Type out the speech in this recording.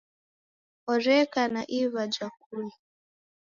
Oreka na iva ja kula.